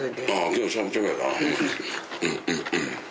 昨日しゃぶしゃぶやな。